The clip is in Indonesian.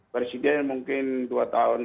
presiden mungkin dua tahun